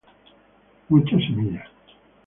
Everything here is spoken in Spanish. Muchas semillas.